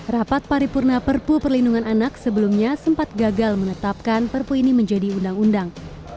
rapat paripurna perpu perlindungan anak sebelumnya sempat gagal menetapkan perpu ini menjadi undang undang